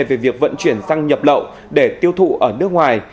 về việc vận chuyển sang nhập lậu để tiêu thụ ở nước ngoài